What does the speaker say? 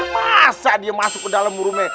masa dia masuk ke dalam rume